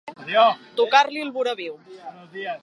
Tocar-li el voraviu.